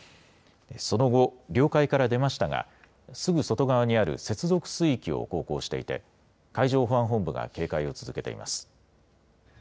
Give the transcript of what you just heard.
その後、領海から出ましたが、すぐ外側にある接続水域を航行していて、海上保安本部が警戒を続けています。